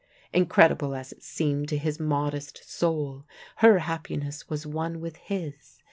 Incredible as it seemed to his modest soul, her happiness was one with his.